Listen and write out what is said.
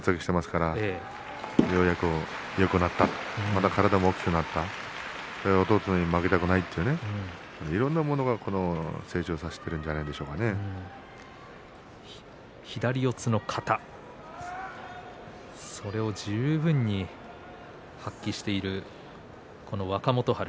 ようやくよくなった体も大きくなった弟に負けたくないといういろいろなものが成長させているのでは左四つの型それを十分に発揮している若元春。